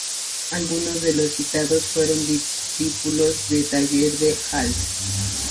Algunos de los citados fueron discípulos del taller de Hals.